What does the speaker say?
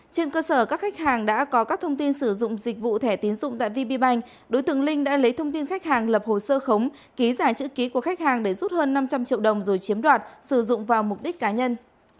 trên cơ sở các khách hàng đã có các thông tin sử dụng dịch vụ thẻ tiến dụng tại vb bank đối tượng linh đã lấy thông tin khách hàng lập hồ sơ khống ký giả chữ ký của khách hàng để rút hơn năm trăm linh triệu đồng rồi chiếm đoạt sử dụng vào mục đích cá nhân